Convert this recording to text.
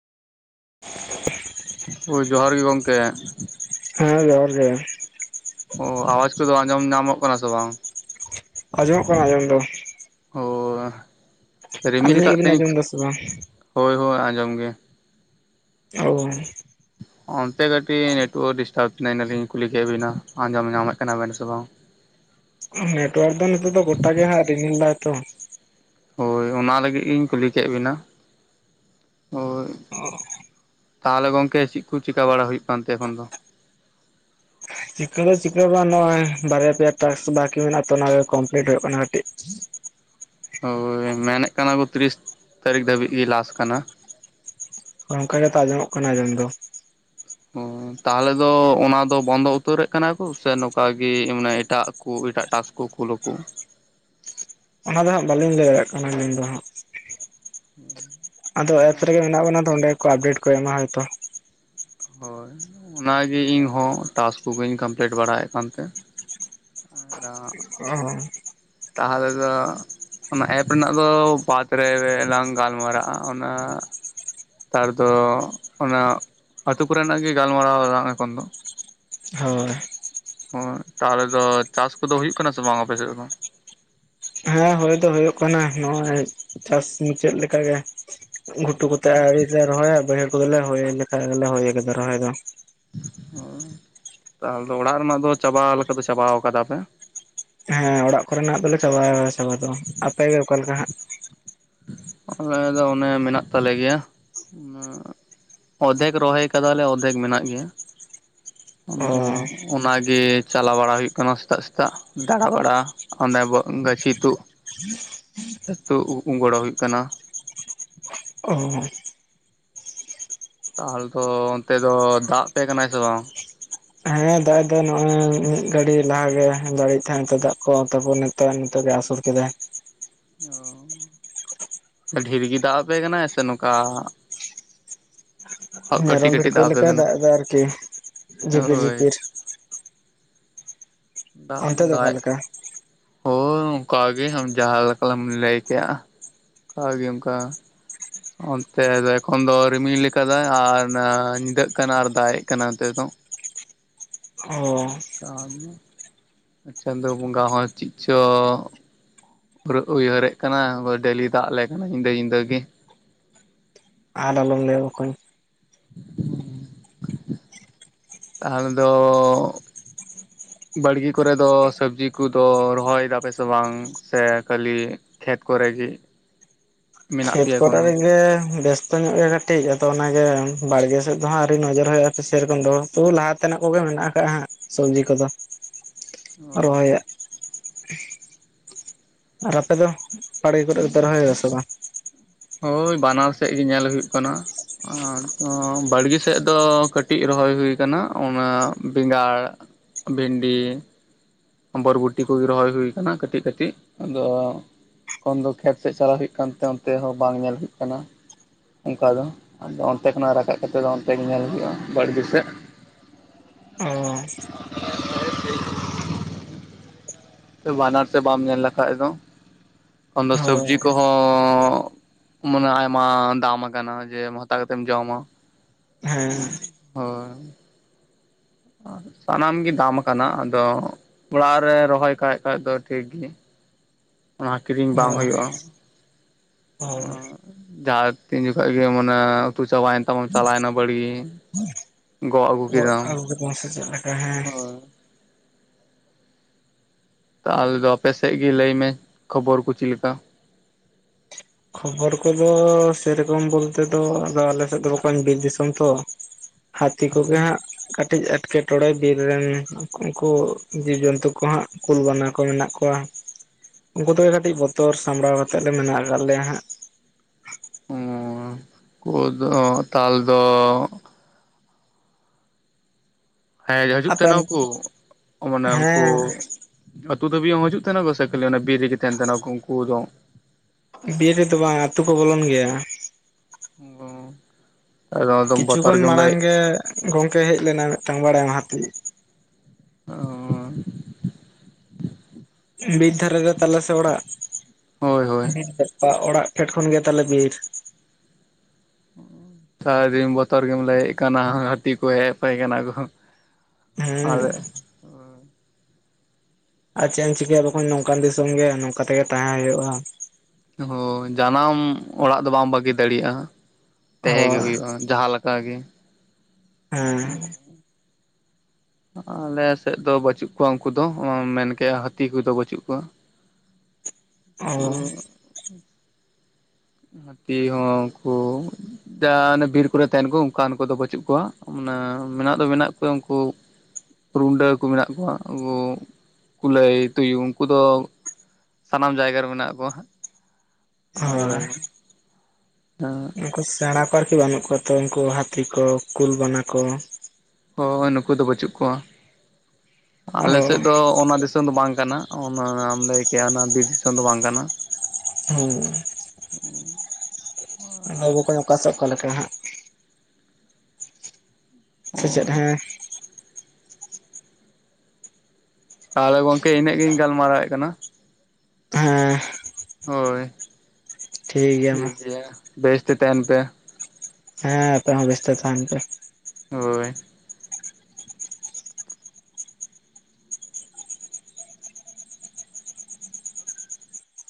ᱳ ᱡᱚᱦᱟᱨ ᱜᱮ ᱜᱚᱝᱠᱮ ᱾ ᱦᱮᱸ ᱡᱚᱦᱟᱨ ᱜᱮ ᱾ ᱚ ᱟᱣᱟᱡ ᱠᱚᱫᱚ ᱟᱸᱡᱚᱢ ᱧᱟᱢᱚᱜ ᱠᱟᱱᱟ ᱥᱮ ᱵᱟᱝ? ᱟᱸᱡᱚᱢᱚᱜ ᱠᱟᱱᱟ ᱟᱸᱡᱚᱢ ᱫᱚ ᱾ ᱦᱳᱻ ᱨᱤᱢᱤᱞ ᱟᱹᱞᱤᱧᱟᱜ ᱠᱟᱫ ᱜᱮᱵᱤᱱ ᱛᱤᱧ ᱟᱸᱡᱚᱢ ᱮᱫᱟ ᱥᱮ ᱵᱟᱝ ᱦᱳᱭ ᱦᱳᱭ ᱟᱸᱡᱚᱢ ᱜᱮ ᱾ ᱚ ᱾ ᱚᱱᱛᱮ ᱠᱟᱹᱴᱤᱡ ᱱᱮᱴᱣᱟᱨᱠ ᱰᱤᱥᱴᱟᱵ ᱤᱱᱟ ᱞᱤᱧ ᱠᱩᱞᱤ ᱠᱮᱫ ᱵᱮᱤᱱᱟ ᱟᱸᱡᱚᱢ ᱧᱟᱢᱮᱫ ᱠᱟᱱᱟᱵᱮᱱ ᱥᱮ ᱵᱟᱝ? ᱱᱮᱴᱚᱣᱟᱨᱠ ᱫᱚ ᱱᱚᱛᱮ ᱫᱚ ᱜᱚᱴᱟᱜ ᱜᱮ ᱦᱟᱸᱜ ᱨᱤᱢᱤᱞ ᱫᱟᱭ ᱛᱚ ᱾ ᱦᱳᱭ ᱚᱱᱟ ᱞᱟᱹᱜᱤᱫ ᱜᱤᱧ ᱠᱩᱞᱤ ᱠᱮᱫ ᱵᱤᱱᱟ, ᱦᱳᱭ ᱾ ᱚ ᱾ ᱛᱟᱦᱚᱞᱮ ᱜᱚᱝᱠᱮ ᱪᱤᱫ ᱠᱩ ᱪᱮᱠᱟ ᱵᱟᱲᱟ ᱦᱩᱭᱩᱜ ᱠᱟᱱ ᱛᱮ ᱮᱠᱷᱚᱱ ᱫᱚ? ᱪᱤᱠᱟᱹ ᱫᱚ ᱪᱤᱠᱟᱹ ᱦᱚ ᱵᱟ ᱱᱚᱜᱼᱚᱭ ᱵᱟᱨᱮᱭᱟ ᱯᱮᱭᱟ ᱴᱟᱠᱥ ᱵᱟᱠᱤ ᱢᱮᱱᱟᱜᱼᱟ ᱛᱚ ᱚᱱᱟ ᱠᱚᱢᱯᱤᱞᱤᱴ ᱦᱩᱭᱩᱜ ᱠᱟᱱᱟ ᱠᱟᱹᱴᱤᱜ ᱾ ᱦᱳᱭ ᱢᱮᱱᱮᱜ ᱠᱟᱱᱟ ᱠᱚ ᱛᱤᱨᱤᱥ ᱛᱟᱹᱨᱤᱠᱷ ᱫᱷᱟᱹᱵᱤᱡ ᱜᱮ ᱞᱟᱥ ᱠᱟᱱᱟ ᱾ ᱚᱝᱠᱟ ᱜᱮᱛᱚ ᱟᱸᱡᱚᱢᱚᱜ ᱠᱟᱱᱟ ᱟᱸᱡᱚᱢ ᱫᱚ ᱾ ᱦᱳᱻ ᱛᱟᱦᱚᱞᱮ ᱫᱚ ᱚᱱᱟ ᱫᱚ ᱵᱚᱱᱫᱚ ᱩᱛᱟᱹᱨᱮᱜ ᱠᱟᱱᱟ ᱠᱚ ᱥᱮ ᱱᱚᱠᱟ ᱜᱮ ᱢᱟᱱᱮ ᱮᱴᱟᱜ ᱠᱩ ᱮᱴᱟᱜ ᱴᱟᱠᱥ ᱠᱚ ᱠᱩᱞᱟᱹ ᱠᱩ! ᱚᱱᱟ ᱫᱚ ᱦᱟᱸᱜ ᱵᱟᱹᱞᱤᱧ ᱞᱟᱹᱭ ᱫᱟᱲᱮᱭᱟᱜ ᱠᱟᱱᱟ ᱟᱹᱞᱤᱧ ᱫᱚ ᱦᱟᱸᱜ ᱾ ᱟᱫᱚ ᱮᱯᱥ ᱨᱮᱜᱮ ᱢᱮᱱᱟᱜ ᱵᱚᱱᱟ ᱛᱚ ᱚᱸᱰᱮ ᱜᱮᱠᱚ ᱟᱯᱰᱮᱴ ᱠᱚ ᱮᱢᱟ ᱦᱳᱭᱛᱳ ᱾ ᱦᱳᱭ ᱚᱱᱟᱜᱮ ᱤᱧ ᱦᱚᱸᱴᱟᱥ ᱠᱚᱜᱮᱧ ᱠᱚᱢᱯᱞᱤᱴ ᱵᱟᱲᱟᱭᱮᱜ ᱠᱟᱱᱛᱮ ᱾ ᱟᱫᱚ ᱦᱟᱸᱜ ᱚᱸ [inaudible] ᱛᱟᱦᱚᱞᱮ ᱫᱚ ᱚᱱᱟ ᱮᱯ ᱨᱮᱱᱟᱜ ᱫᱚ ᱵᱟᱫᱽ ᱨᱮ ᱞᱟᱝ ᱜᱟᱞᱢᱟᱨᱟᱜᱼᱟ ᱚᱱᱟ ᱱᱮᱛᱟᱨ ᱫᱚ ᱚᱱᱟ ᱟᱹᱛᱩ ᱠᱚᱨᱮᱱᱟᱜ ᱜᱮ ᱜᱟᱞᱢᱟᱨᱟᱣ ᱟᱞᱟᱝ ᱮᱠᱷᱚᱱ ᱫᱚ ᱾ ᱦᱳᱭ ᱾ ᱦᱚᱭ ᱛᱟᱦᱚᱞᱮ ᱫᱚ ᱪᱟᱥ ᱠᱚᱫᱚ ᱦᱩᱭᱩᱜ ᱠᱟᱱᱟ ᱥᱮ ᱵᱟᱝ ᱟᱯᱮᱥᱮᱫ ᱫᱚ? ᱦᱮᱸ ᱦᱳᱭ ᱫᱚ ᱦᱳᱭᱳᱜ ᱠᱟᱱᱟ ᱱᱚᱜᱼᱚᱭ ᱪᱟᱥ ᱢᱩᱪᱟᱹᱫ ᱞᱮᱠᱟ ᱜᱮ ᱜᱷᱩᱴᱩ ᱠᱚ ᱛᱮᱜ ᱟᱹᱣᱨᱤ ᱞᱮ ᱨᱚᱦᱚᱭᱟ, ᱵᱟᱹᱭᱦᱟᱹᱲ ᱠᱚᱫᱚᱞᱮ ᱨᱚᱦᱚᱭ ᱞᱮᱠᱷᱟ ᱜᱮᱞᱮ ᱞᱚᱦᱚᱭ ᱠᱟᱫᱟ ᱨᱚᱦᱚᱭ ᱫᱚ ᱾ ᱚᱸ, ᱛᱟᱦᱚᱞᱮ ᱫᱚ ᱚᱲᱟᱜ ᱨᱮᱱᱟᱜ ᱫᱚ ᱪᱟᱵᱟ ᱞᱮᱠᱟ ᱫᱚ ᱪᱟᱵᱟᱣ ᱠᱟᱫᱟ ᱯᱮ? ᱦᱮᱸ ᱚᱲᱟᱜ ᱠᱚᱨᱮᱱᱟᱜ ᱫᱚᱞᱮ ᱪᱟᱵᱟ ᱪᱟᱵᱟ ᱫᱚ ᱾ ᱟᱯᱮ ᱜᱮ ᱚᱠᱟᱞᱮ ᱞᱮᱠᱟ ᱦᱟᱸᱜ? ᱟᱠᱮ ᱫᱚ ᱚᱱᱮ ᱢᱮᱱᱟᱜ ᱛᱟᱞᱮ ᱜᱮᱭᱟ ᱾ ᱚᱫᱷᱮᱠ ᱨᱚᱦᱚᱭ ᱠᱟᱫᱟᱞᱮ ᱚᱫᱷᱮᱠ ᱢᱮᱱᱟᱜ ᱜᱮᱭᱟ, ᱟᱫᱚ ᱚ ᱚᱱᱟᱜᱮ ᱪᱟᱞᱟᱣ ᱵᱟᱲᱟ ᱦᱩᱭᱩᱜ ᱠᱟᱱᱟ ᱥᱮᱛᱟᱜ ᱥᱮᱛᱟᱜ ᱜᱟᱬᱟᱵᱟᱲᱟ ᱾ ᱚᱱᱫᱮ ᱵᱳᱜ ᱜᱟᱹᱪᱷᱤ ᱛᱩᱜ ᱛᱩᱜ ᱜᱚᱲᱚ ᱦᱩᱭᱩᱜ ᱠᱟᱱᱟ ᱾ ᱚ ᱾ ᱛᱟᱦᱚᱞᱮ ᱛᱚ ᱚᱱᱛᱮ ᱫᱚ ᱫᱟᱜ ᱯᱮ ᱠᱟᱱᱟᱭ ᱥᱮ ᱵᱟᱝ? ᱦᱮᱸ [unintelligible] ᱱᱚᱜᱚᱭ ᱢᱤᱫ ᱜᱷᱟᱹᱲᱤᱡ ᱞᱟᱦᱟ ᱜᱮ [unintelligible] ᱫᱟᱜ ᱠᱚ ᱛᱟᱯᱚᱨ ᱛᱚ ᱱᱤᱛᱳᱜ ᱜᱮ ᱟᱥᱳᱲ ᱠᱮᱫᱟᱭ᱾ ᱚᱸ ᱰᱷᱮᱨ ᱜᱮ ᱫᱟᱜ ᱟᱯᱮ ᱠᱟᱱᱟᱭ ᱥᱮ ᱱᱚᱝᱠᱟ ᱠᱟᱹᱴᱤᱡ ᱢᱮᱨᱚᱢ ᱠᱟᱹᱴᱤᱡ ᱵᱷᱤᱲᱠᱟᱹᱣ ᱟᱯᱮ ᱞᱮᱠᱟᱭ ᱠᱟᱱᱟᱭ ᱫᱟᱜ ᱮᱫᱟ ᱟᱨᱠᱤ ᱡᱷᱤᱯᱤᱨ ᱦᱳᱭ ᱡᱷᱤᱯᱤᱨ᱾ ᱫᱟᱜ ᱚᱱᱛᱮ ᱫᱚ ᱚᱠᱟ ᱫᱟᱜ ᱞᱮᱠᱟ ᱮᱫ ᱦᱳᱭ ᱚᱝᱠᱟ ᱜᱮ ᱡᱟᱦᱟᱸ ᱞᱮᱠᱟᱞᱟᱢ ᱞᱟᱹᱭ ᱠᱮᱜᱟ᱾ ᱦᱟ ᱜᱮ ᱚᱝᱠᱟ ᱚᱱᱛᱮ ᱫᱚ ᱮᱠᱷᱚᱱ ᱫᱚ ᱨᱤᱢᱤᱞ ᱟᱠᱟᱫᱟᱭ ᱟᱨ ᱧᱤᱫᱟᱹᱜ ᱠᱟᱱᱟ ᱟᱨ ᱫᱟᱜ ᱮᱜ ᱠᱟᱱᱟ ᱱᱚᱛᱮ ᱫᱚ᱾ ᱚ [unintelligible] ᱪᱟᱸᱫᱳ ᱵᱚᱸᱜᱟ ᱦᱚᱸ ᱪᱤᱫ ᱪᱚ ᱦᱩᱨᱟᱹ ᱩᱭᱦᱟᱹᱨᱮᱫ ᱠᱟᱱᱟ ᱰᱮᱞᱤ ᱫᱟᱜ ᱟᱞᱮ ᱠᱟᱱᱟ ᱧᱤᱫᱟᱹ ᱧᱤᱫᱟᱹ ᱜᱮ᱾ ᱟᱨ ᱟᱞᱚᱢ ᱞᱟᱹᱭ-ᱟ ᱵᱚᱠᱚᱧ᱾ ᱛᱟᱦᱟᱞᱮ ᱫᱚ ᱵᱟᱲᱜᱤ ᱠᱚᱨᱮ ᱫᱚ ᱥᱚᱵᱽᱡᱤ ᱠᱚᱫᱚ ᱨᱚᱦᱚᱭ ᱫᱟᱯᱮ ᱥᱮ ᱵᱟᱝ, ᱥᱮ ᱠᱷᱟᱹᱞᱤ ᱠᱷᱮᱛ ᱠᱚᱨᱮ ᱜᱮ᱾ ᱢᱮᱱᱟᱜ ᱠᱷᱮᱛ ᱯᱮᱭᱟ ᱠᱚᱨᱮ ᱮᱠᱷᱚᱱ ᱨᱮᱜᱮ ᱵᱮᱥ ᱛᱚ ᱧᱚᱜ ᱜᱮ ᱠᱟᱹᱴᱤᱡ ᱟᱫᱚ ᱚᱱᱟᱜᱮ ᱵᱟᱲᱜᱮ ᱥᱮᱫ ᱫᱚ ᱦᱟᱸᱜ ᱟᱣᱨᱤ ᱱᱚᱡᱚᱨ ᱦᱳᱭᱳᱜ-ᱟ ᱛᱚ ᱥᱮᱨᱚᱠᱚᱢ ᱫᱚ᱾ ᱛᱳ ᱞᱟᱦᱟ ᱛᱮᱱᱟᱜ ᱠᱚᱜᱮ ᱢᱮᱱᱟᱜ ᱠᱟᱜᱟ ᱦᱟᱸᱜ ᱥᱚᱵᱽᱡᱤ ᱠᱚᱫᱚ ᱫᱚ ᱨᱚᱦᱚᱭᱟᱜ᱾ ᱟᱨ ᱟᱯᱮ ᱫᱚ ᱵᱟᱲᱜᱮ ᱠᱚᱨᱮᱜ ᱫᱚᱯᱮ ᱨᱚᱦᱚᱭ ᱠᱟᱫᱟ ᱥᱮ ᱵᱟᱝ? ᱦᱳᱭ ᱵᱟᱱᱟᱨ ᱥᱮᱫ ᱜᱮ ᱧᱮᱞ ᱦᱩᱭᱩᱜ ᱠᱟᱱᱟ᱾ ᱟᱸ ᱵᱟᱲᱜᱮ ᱥᱮᱫ ᱫᱚ ᱠᱟᱹᱴᱤᱡ ᱨᱚᱦᱚᱭ ᱦᱩᱭ ᱠᱟᱱᱟ ᱚᱱᱟ ᱵᱮᱸᱜᱟᱲ ᱵᱷᱮᱱᱰᱤ ᱵᱚᱨᱵᱚᱴᱤ ᱠᱚᱜᱮ ᱨᱚᱦᱚᱭ ᱦᱩᱭ ᱠᱟᱱᱟ ᱠᱟᱹᱴᱤᱡ ᱠᱟᱹᱴᱤᱡ ᱟᱫᱚ ᱠᱷᱚᱱ ᱫᱚ ᱠᱷᱮᱛ ᱥᱮᱫ ᱪᱟᱞᱟᱣ ᱦᱩᱭᱩᱜ ᱠᱟᱱᱛᱮ ᱚᱱᱛᱮ ᱦᱚᱸ ᱵᱟᱝ ᱧᱮᱞ ᱦᱩᱭᱩᱜ ᱠᱟᱱᱟ᱾ ᱚᱝᱠᱟ ᱫᱚ ᱟᱫᱚ ᱚᱱᱛᱮ ᱠᱷᱚᱱᱟᱜ ᱨᱟᱠᱟᱵ ᱠᱟᱛᱮᱫ ᱫᱚ ᱚᱱᱛᱮ ᱜᱮ ᱧᱮᱞ ᱦᱩᱭᱩᱜ-ᱟ ᱵᱟᱲᱜᱮ ᱥᱮᱫ᱾ ᱚᱻ ᱥᱮ ᱵᱟᱱᱟᱨ ᱥᱮᱫ ᱵᱟᱢ ᱧᱮᱞ ᱞᱮᱠᱷᱟᱡ ᱫᱚ ᱠᱷᱚᱱ ᱫᱚ ᱦᱳᱭ ᱥᱚᱵᱽᱡᱤ ᱠᱚᱦᱚᱸ [unintelligible] ᱢᱟᱱᱮ ᱟᱭᱢᱟ ᱫᱟᱢ ᱠᱟᱱᱟ ᱡᱮ ᱦᱟᱛᱟᱣ ᱠᱟᱛᱮᱢ ᱡᱚᱢᱟ᱾ ᱦᱮᱸ ᱚ ᱦᱳᱭ᱾ ᱥᱟᱱᱟᱢ ᱜᱮ ᱫᱟᱢ ᱠᱟᱱᱟ ᱟᱫᱚ ᱚᱲᱟᱜ ᱨᱮ ᱨᱚᱦᱚᱭ ᱠᱷᱟᱡ ᱠᱷᱟᱡ ᱫᱚ ᱴᱷᱤᱠ ᱜᱤᱭᱟ᱾ ᱚᱱᱟ ᱠᱤᱨᱤᱧ ᱵᱟᱝ ᱦᱳᱭ ᱦᱳᱭᱳᱜ-ᱟ᱾ ᱦᱳᱭ᱾ ᱡᱟᱦᱟᱸ ᱛᱤᱱ ᱡᱚᱠᱷᱚᱡ ᱜᱮ ᱢᱟᱱᱮ ᱩᱛᱩ ᱪᱟᱵᱟᱭᱮᱱ ᱛᱟᱵᱚᱱ ᱪᱟᱞᱟᱣᱱᱮᱟ ᱵᱟᱲᱤ ᱜᱚᱜ ᱟᱹᱜᱩ ᱜᱚᱫ ᱠᱮᱫᱟᱢ᱾ [unintelligible] ᱪᱮᱫ ᱞᱮᱠᱟ ᱦᱮᱸ᱾ ᱦᱳᱭ ᱛᱟᱦᱟᱞᱮ ᱫᱚ ᱟᱯᱮ ᱥᱮᱫ ᱜᱮ ᱞᱟᱹᱭᱢᱮ ᱠᱷᱚᱵᱚᱨ ᱠᱚ ᱪᱮᱫ ᱞᱮᱠᱟ? ᱠᱷᱚᱵᱚᱨ ᱠᱚᱫᱚ ᱥᱮᱨᱚᱠᱚᱢ ᱵᱳᱞᱛᱮ ᱫᱚ ᱟᱫᱚ ᱟᱞᱮ ᱥᱮᱫ ᱫᱚ ᱵᱚᱠᱚᱧ ᱵᱤᱨ ᱫᱤᱥᱚᱢ ᱛᱚ᱾ ᱦᱟᱹᱛᱤ ᱠᱚᱜᱮ ᱦᱟᱸᱜ ᱠᱟᱹᱴᱤᱡ ᱮᱴᱠᱮ ᱴᱚᱬᱮ ᱵᱤᱨ ᱨᱮᱱ ᱩᱝᱠᱩ ᱡᱤᱵᱽᱡᱩᱱᱛᱩ ᱠᱚ ᱦᱟᱸᱜ ᱠᱩᱞ ᱵᱟᱱᱟ ᱠᱚ ᱢᱮᱱᱟᱜ ᱠᱚᱣᱟ᱾ ᱩᱝᱠᱩ ᱛᱮᱜᱮ ᱠᱟᱹᱴᱤᱡ ᱵᱚᱛᱚᱨ ᱥᱟᱢᱲᱟᱣ ᱠᱟᱛᱮᱜ ᱞᱮ ᱢᱮᱱᱟᱜ ᱟᱠᱟᱫ ᱞᱮᱭᱟ ᱦᱟᱸᱜ᱾ [unintelligible] ᱠᱩ ᱫᱚ ᱛᱟᱞ ᱫᱚ ᱦᱮᱡ ᱦᱟᱡᱩᱜ ᱟᱯᱮᱱ ᱛᱟᱦᱮᱱᱟᱠᱚ ᱚᱻ ᱢᱟᱱᱮ ᱩᱝᱠᱩ ᱦᱮᱸ ᱟᱹᱛᱩ ᱫᱷᱟᱹᱵᱤᱡ ᱦᱚᱸ ᱦᱤᱡᱩᱜ ᱛᱟᱦᱮᱱᱟᱠᱚ ᱥᱮ ᱠᱷᱟᱹᱞᱤ ᱚᱱᱮ ᱵᱤᱨ ᱨᱮᱜᱮ ᱛᱟᱦᱮᱱ ᱛᱟᱦᱮᱱᱟᱠᱚ ᱩᱝᱠᱩ ᱫᱚ? ᱵᱤᱨ ᱨᱮᱫᱚ ᱵᱟᱝ ᱟᱛᱩ ᱠᱚ ᱵᱚᱞᱚᱱ ᱜᱮᱭᱟ᱾ ᱳᱻ ᱟᱫᱚ ᱟᱫᱚᱢ ᱠᱤᱪᱷᱩ ᱵᱚᱛᱚᱨ ᱠᱷᱚᱱ ᱜᱮᱢ ᱢᱟᱲᱟᱝ ᱞᱟᱹᱭᱮᱫ᱾ ᱜᱮ ᱜᱚᱝᱠᱮ ᱦᱮᱡ ᱞᱮᱱᱟᱭ ᱢᱮᱫᱴᱟᱝ ᱵᱟᱲᱟᱭᱟᱢ ᱦᱟᱹᱛᱤ᱾ ᱚᱻ ᱵᱤᱨ ᱫᱷᱟᱨᱟ ᱨᱮ ᱛᱟᱞᱮ ᱥᱮ ᱚᱲᱟᱜ᱾ ᱦᱳᱭ ᱦᱳᱭ᱾ ᱪᱷᱟᱴᱠᱟ ᱚᱲᱟᱜ ᱯᱷᱮᱰ ᱠᱷᱚᱱ ᱜᱮ ᱛᱟᱞᱮ ᱵᱤᱨ᱾ ᱥᱟᱨᱟᱫᱤᱱ ᱵᱚᱛᱚᱨ ᱜᱮᱢ ᱞᱟᱹᱭᱮᱫ ᱠᱟᱱᱟ ᱦᱟᱹᱛᱤ ᱠᱚ ᱦᱮᱡ ᱟᱯᱮ ᱠᱟᱱᱟ ᱠᱚ᱾ ᱦᱩᱸᱻ ᱟᱞᱮ ᱟᱨ ᱪᱮᱫ ᱮᱢ ᱪᱤᱠᱟᱹᱭᱟ ᱵᱚᱠᱚᱧ ᱱᱚᱝᱠᱟᱱ ᱫᱤᱥᱚᱢ ᱜᱮ, ᱱᱚᱝᱠᱟ ᱛᱮᱜᱮ ᱛᱟᱦᱮᱸ ᱦᱩᱭᱩᱜ-ᱟ᱾ ᱦᱳᱭ, ᱡᱟᱱᱟᱢ ᱚᱲᱟᱜ ᱫᱚ ᱵᱟᱢ ᱵᱟᱹᱜᱤ ᱫᱟᱲᱮᱭᱟᱜ-ᱟ᱾ ᱛᱮᱦᱮᱸ ᱜᱤ ᱦᱳᱭ ᱦᱩᱭᱩᱜ-ᱟ ᱡᱟᱦᱟᱸᱞᱮᱠᱟᱜᱤ᱾ ᱦᱩᱸ᱾ ᱟᱞᱮᱥᱮᱫ ᱫᱚ ᱵᱟᱪᱩᱜ ᱠᱚᱣᱟ ᱩᱝᱠᱩ ᱫᱚ, ᱢᱮᱱᱠᱮᱜ ᱦᱟᱹᱛᱤ ᱠᱚᱫᱚ ᱵᱟᱹᱪᱩᱜ ᱠᱚᱣᱟ᱾ ᱚᱻ ᱦᱟᱹᱛᱤ ᱦᱚᱸ ᱩᱝᱠᱩ ᱡᱟ, ᱚᱱᱟ ᱵᱤᱨ ᱠᱚᱨᱮ ᱛᱟᱦᱮᱱ ᱠᱚ, ᱚᱝᱠᱟᱱ ᱠᱚᱫᱚ ᱵᱟᱪᱩᱜ ᱠᱚᱣᱟ᱾ ᱢᱟᱱᱮ ᱢᱮᱱᱟᱜ ᱫᱚ ᱢᱮᱱᱟᱜ ᱠᱚᱣᱟ ᱩᱝᱠᱩ ᱨᱩᱸᱰᱟᱹ ᱠᱚ ᱢᱮᱱᱟᱜ ᱠᱚᱣᱟ, ᱩᱝᱠᱩ ᱠᱩᱞᱟᱹᱭ, ᱛᱩᱭᱩ ᱩᱝᱠᱩ ᱫᱚ ᱥᱟᱱᱟᱢ ᱡᱟᱭᱜᱟ ᱨᱮ ᱢᱮᱱᱟᱜ ᱠᱚᱣᱟ ᱦᱟᱸᱜ ᱚᱱᱟ ᱠᱚᱨᱮ ᱫᱚ᱾ ᱩᱝᱠᱩ ᱥᱮᱬᱟ ᱠᱚ ᱟᱨᱠᱤ ᱵᱟᱹᱱᱩᱜ ᱠᱚᱣᱟ ᱛᱚ, ᱩᱝᱠᱩ ᱦᱟᱛᱤ ᱠᱚ, ᱠᱩᱞ, ᱵᱟᱱᱟ ᱠᱚ? ᱦᱳᱭ, ᱱᱩᱠᱩ ᱫᱚ ᱵᱟᱹᱪᱩᱜ ᱠᱚᱣᱟ, ᱚ ᱟᱞᱮ ᱥᱮᱫ ᱫᱚ ᱚᱱᱟ ᱫᱤᱥ ᱫᱤᱥᱚᱢ ᱫᱚ ᱵᱟᱝ ᱠᱟᱱᱟ, ᱚᱱᱟᱢ ᱞᱟᱹᱭ ᱠᱮᱜ ᱚᱱᱟ ᱵᱤᱨ ᱫᱤᱥᱚᱢ ᱫᱚ ᱵᱟᱝ ᱠᱟᱱᱟ᱾ ᱦᱩᱸ᱾ ᱟᱫᱚ ᱵᱚᱠᱚᱧ ᱚᱠᱟᱥᱮᱫ ᱚᱠᱟ ᱞᱮᱠᱟ ᱦᱟᱸᱜ᱾ ᱥᱮ ᱪᱮᱫ ᱦᱳᱭ ᱦᱮᱸ᱾ ᱛᱟᱦᱞᱮ ᱜᱚᱝᱠᱮ ᱤᱱᱟᱹᱜ ᱜᱤᱧ ᱜᱟᱞᱢᱟᱨᱟᱣᱮᱜ ᱠᱟᱱᱟ᱾ ᱦᱮᱸ᱾ ᱦᱳᱭ ᱴᱷᱤᱠ ᱜᱮᱭᱟ, ᱵᱮᱥ ᱛᱮ ᱛᱟᱦᱮᱱ ᱯᱮ᱾ ᱦᱮᱸ ᱟᱯᱮ ᱦᱚᱸ ᱵᱮᱥ ᱛᱮ ᱛᱟᱸᱦᱮᱱ ᱯᱮ᱾ ᱦᱳᱭ᱾